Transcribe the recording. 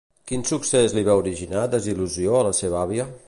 Quin succés li va originar desil·lusió a la seva àvia?